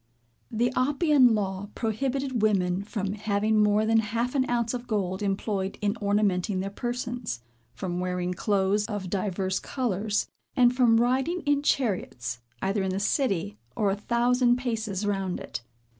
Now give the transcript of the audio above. The Oppian law prohibited women from having more than half an ounce of gold employed in ornamenting their persons, from wearing clothes of divers colors, and from riding in chariots, either in the city, or a thousand paces round it.